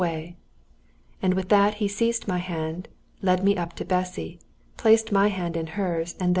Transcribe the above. " And with that he seized my hand, led me up to Bessy, placed my hand in hers, and then "ein, zwei."